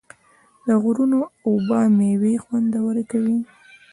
د غرونو اوبه میوې خوندورې کوي.